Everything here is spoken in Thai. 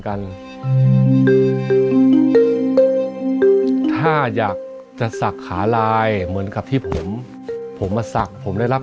กันถ้าอยากจะศักดิ์ขาลายเหมือนกับที่ผมผมมาศักดิ์ผมได้รับ